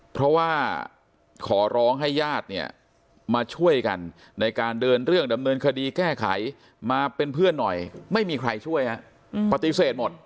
เพราะว่าขอร้องให้ญาติเนี่ยมาช่วยกันในการเดินเรื่องดำเนินคดีแก้ไขมาเป็นเพื่อนหน่อยไม่มีใครช่วยฮะปฏิเสธหมด